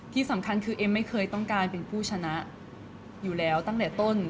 ที่สำคัญคือเอ็มไม่เคยต้องการเป็นผู้ชนะอยู่แล้วตั้งแต่ต้น